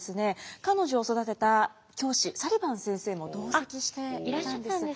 彼女を育てた教師サリバン先生も同席していたんです。